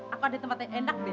aku ada tempat yang enak deh